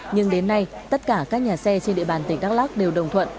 nhưng đến nay tất cả các nhà xe trên địa bàn tỉnh đắk lắc đều đồng thuận